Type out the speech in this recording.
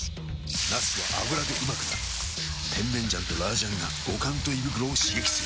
なすは油でうまくなる甜麺醤と辣醤が五感と胃袋を刺激する！